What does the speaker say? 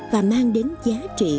và mang đến giá trị